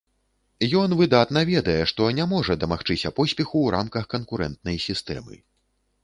Ён выдатна ведае, што не можа дамагчыся поспеху ў рамках канкурэнтнай сістэмы.